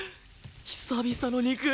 久々の肉！